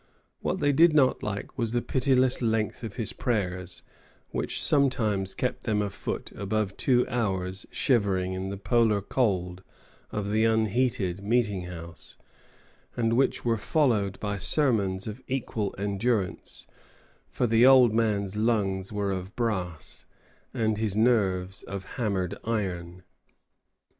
What they did not like was the pitiless length of his prayers, which sometimes kept them afoot above two hours shivering in the polar cold of the unheated meeting house, and which were followed by sermons of equal endurance; for the old man's lungs were of brass, and his nerves of hammered iron.